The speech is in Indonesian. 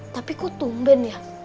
tapi kok tumben ya